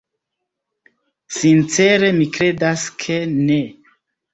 Sincere, mi kredas, ke ne.